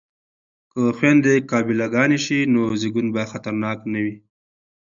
که خویندې قابله ګانې شي نو زیږون به خطرناک نه وي.